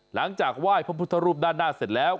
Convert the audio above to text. หลังจากไหว้พระพุทธรูปด้านหน้าเสร็จแล้ว